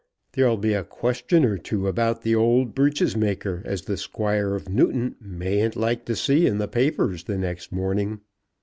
There'll be a question or two about the old breeches maker as the Squire of Newton mayn't like to see in the papers the next morning.